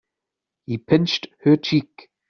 He pinched her cheek.